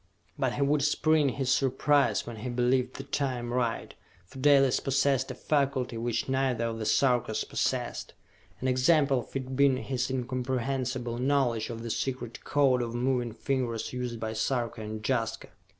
But he would spring his surprise when he believed the time right, for Dalis possessed a faculty which neither of the Sarkas possessed an example of it being his incomprehensible knowledge of the secret code of moving fingers used by Sarka and Jaska.